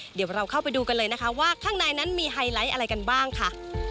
เดี๋ยวเราเข้าไปดูกันเลยนะคะว่าข้างในนั้นมีไฮไลท์อะไรกันบ้างค่ะ